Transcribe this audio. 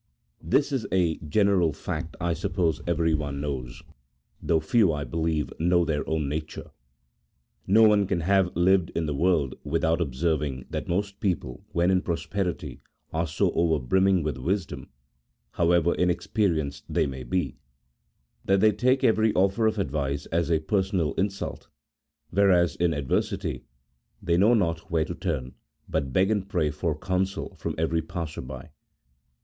This as a general fact I suppose everyone knows, though few, I believe, know their own nature ; no one can have lived in the world without observing that most people, when in prosperity, are so over brimming with wisdom (however inexperienced they may be), that they take every offer of advice as a personal insult, whereas in adversity they know not where to turn, but beg and pray for counsel from every passer by.